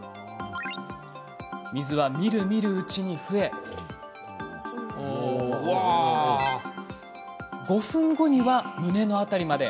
水は、みるみるうちに増え５分後には胸の辺りまで。